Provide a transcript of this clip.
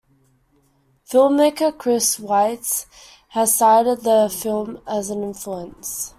Filmmaker Chris Weitz has cited the film as an influence.